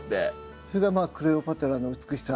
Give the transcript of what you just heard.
それがまあクレオパトラの美しさ。